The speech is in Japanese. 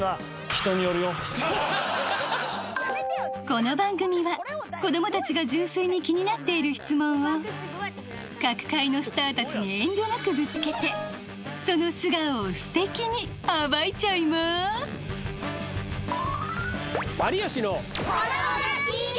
この番組はこどもたちが純粋に気になっている質問を各界のスターたちに遠慮なくぶつけてその素顔をすてきに暴いちゃいますわい！